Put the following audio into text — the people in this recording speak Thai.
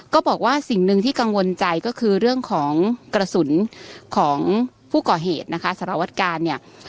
ก็บอกว่าสิ่งหนึ่งที่กังวลใจก็คือเรื่องของกระสุนของผู้ก่อเหตุนะคะสารวัตกาลเนี่ย